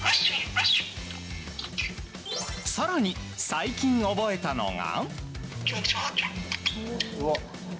更に、最近覚えたのが。